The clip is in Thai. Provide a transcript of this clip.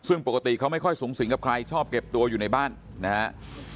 ซึ่งปกติเขาไม่ค่อยสูงสิงกับใครชอบเก็บตัวอยู่ในบ้านนะครับ